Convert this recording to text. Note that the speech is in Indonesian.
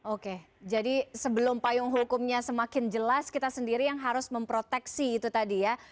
oke jadi sebelum payung hukumnya semakin jelas kita sendiri yang harus memproteksi itu tadi ya